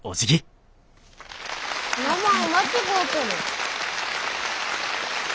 名前間違うとる。